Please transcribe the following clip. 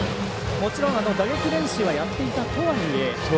もちろん打撃練習をやっていたとはいえ。